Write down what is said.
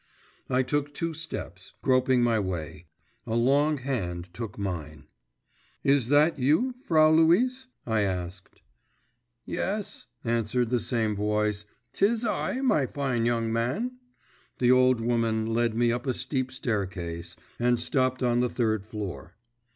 I took two steps, groping my way, a long hand took mine. 'Is that you, Frau Luise?' I asked. 'Yes,' answered the same voice, ''Tis I, my fine young man.' The old woman led me up a steep staircase, and stopped on the third floor.